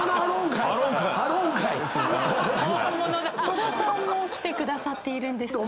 戸田さんも来てくださっているんですが。